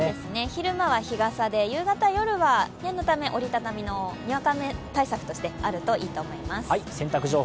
昼間は日傘で夕方・夜は念のため、折り畳みがにわか雨対策としてあるといいと思います。